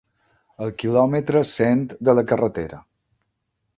El quilòmetre cent de la carretera.